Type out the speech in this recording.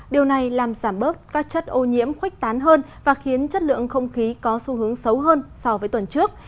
điều này làm giảm bớt các chất ô nhiễm khuếch tán hơn và khiến chất lượng không khí có xu hướng xấu hơn so với tuần trước